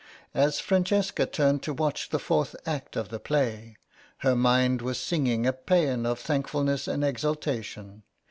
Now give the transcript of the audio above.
As Francesca turned to watch the fourth act of the play, her mind was singing a pæan of thankfulness and exultation.